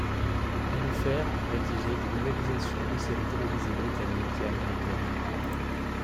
Enefer a rédigé des novélisations de séries télévisées britanniques et américaine.